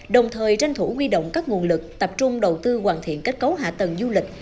đồng thời tranh thủ quy động các nguồn lực tập trung đầu tư hoàn thiện kết cấu hạ tầng du lịch